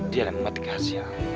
dia yang membuat kehasil